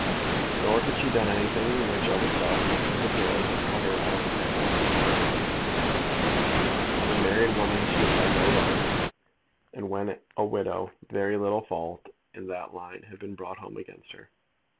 Nor had she done anything which of itself must necessarily have put her out of the pale of society. As a married woman she had had no lovers; and, when a widow, very little fault in that line had been brought home against her.